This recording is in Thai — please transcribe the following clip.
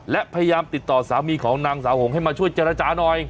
และพยายามติดต่อสามีของนางสาวหงให้มาช่วยเจรจาหน่อย